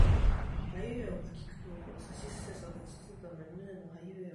あいうえおかきくけこさしすせそたちつてとなにぬねのはひふへほ